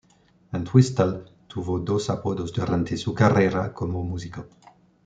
Entwistle tuvo dos apodos durante su carrera como músico.